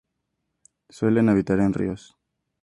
Suelen habitar en ríos...